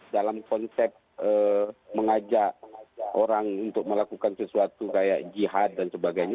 dalam konsep mengajak orang untuk melakukan sesuatu kayak jihad dan sebagainya